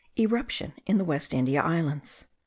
Eruption in the West India Islands.